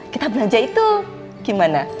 kita belanja itu gimana